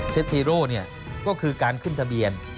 เซ็ตซีโร่เนี่ยก็คือการขึ้นทะเบียน